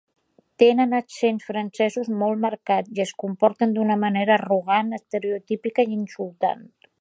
Tenen accents francesos molt marcats i es comporten d'una manera arrogant estereotípica i insultant.